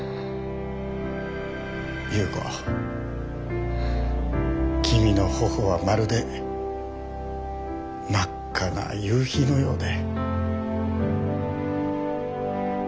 夕子きみの頬はまるで真っ赤な夕日のようで。